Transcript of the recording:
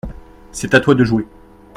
C’est à toi de jouer.